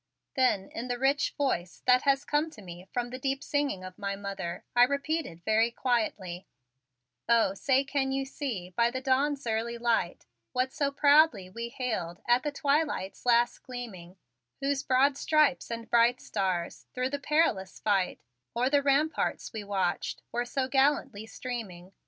Then in the rich voice which has come to me from the deep singing of my mother I repeated very quietly: "Oh say, can you see, by the dawn's early light, What so proudly we hailed at the twilight's last gleaming; Whose broad stripes and bright stars, thro' the perilous fight, O'er the ramparts we watched, were so gallantly streaming?